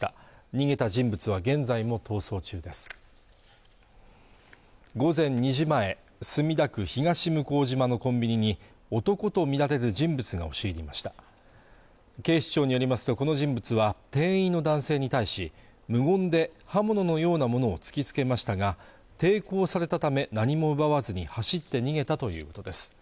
逃げた人物は現在も逃走中です午前２時前、墨田区東向島のコンビニに男と見られる人物が押し入りました警視庁によりますとこの人物は店員の男性に対し無言で刃物のようなものを突きつけましたが抵抗されたため何も奪わずに走って逃げたということです